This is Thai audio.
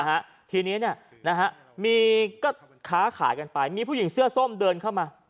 ฮะทีนี้เนี่ยนะฮะมีก็ค้าขายกันไปมีผู้หญิงเสื้อส้มเดินเข้ามา